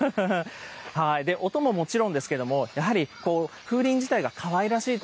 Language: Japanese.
音ももちろんですけれども、やはり風鈴自体がかわいらしいと